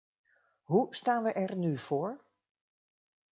Hoe staan we er nu voor?